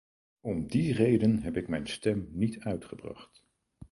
Om die reden heb ik mijn stem niet uitgebracht.